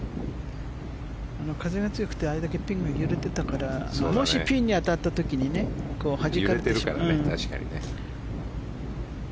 風が強くてあれだけピンが揺れてたからもしピンに当たった時にはじかれてね。